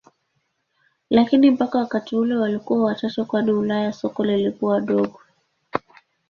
Lakini mpaka wakati ule walikuwa wachache kwani Ulaya soko lilikuwa dogo.